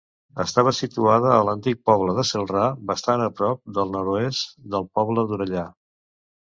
Estava situada a l'antic poble de Celrà, bastant a prop al nord-oest del poble d'Orellà.